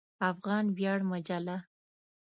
افغان ویاړ مجله